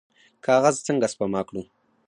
کاغذ څنګه سپما کړو؟